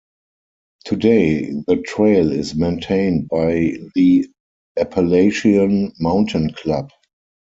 Today, the trail is maintained by the Appalachian Mountain Club.